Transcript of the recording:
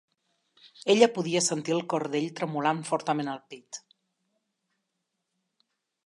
Ella podia sentir el cor d'ell tremolant fortament al pit.